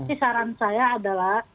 ini saran saya adalah